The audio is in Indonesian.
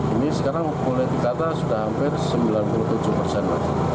ini sekarang boleh dikata sudah hampir sembilan puluh tujuh persen lagi